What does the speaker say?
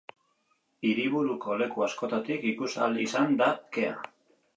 Hiriburuko leku askotatik ikusi ahal izan da kea.